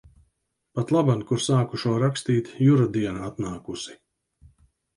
Patlaban, kur sāku šo rakstīt, Jura diena atnākusi.